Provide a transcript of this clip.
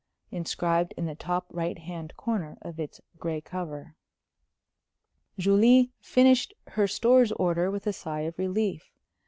inscribed in the top right hand corner of its gray cover. Julie finished her Stores order with a sigh of relief.